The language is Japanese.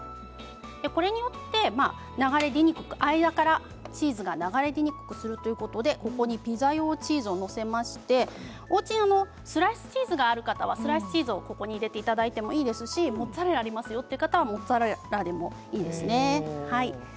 これによって流れ出にくく間からチーズが流れ出にくくするということでここにピザ用チーズを載せましておうちにスライスチーズがある方はスライスチーズをここに載せていただいてもいいですしモッツァレラがありますよという方はモッツァレラでもいいですね。